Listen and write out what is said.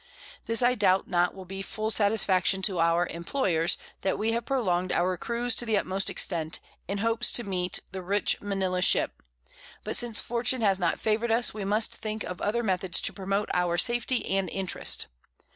This I doubt not will be full Satisfaction to our Imployers, that we have prolonged our Cruize to the utmost Extent, in hopes to meet the Rich_ Manila _Ship: But since Fortune has not favour'd us, we must think of other Methods to promote our Safety and Interest.